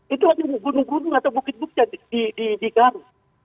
itu ada gunung gunung atau bukit bukit yang diganggu